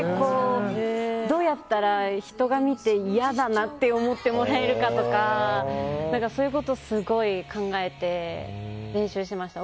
どうやったら人が見て嫌だなって思ってもらえるかとかそういうことをすごい考えて練習しました。